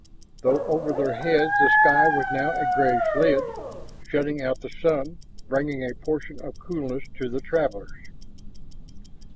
Though over their heads the sky was now a grayish lid, shutting out the sun, bringing a portion of coolness to the travelers.